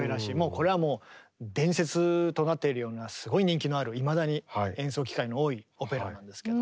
これはもう伝説となっているようなすごい人気のあるいまだに演奏機会の多いオペラなんですけど。